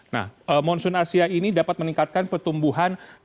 nah monsoon asia ini dapat meningkatkan pertumbuhan